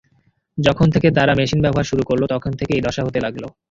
যখন থেকে তারা মেশিন ব্যবহার শুরু করলো, তখন থেকেই এই দশা হতে লাগল।